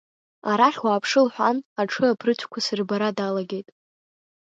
Арахь уааԥшы лҳәан, аҽы аԥрыцәқәа сырбара далагеит.